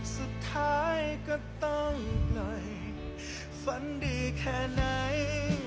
สุดท้ายก็ต้องปล่อยฝันดีแค่ไหนสุดท้ายก็ต้องปล่อย